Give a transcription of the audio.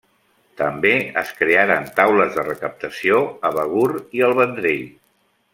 També es crearen taules de recaptació a Begur i el Vendrell.